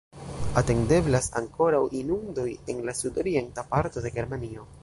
Atendeblas ankoraŭ inundoj en la sudorienta parto de Germanio.